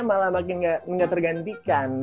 malah makin gak tergantikan